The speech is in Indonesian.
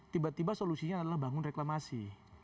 tiba tiba solusinya adalah bangun reklamasi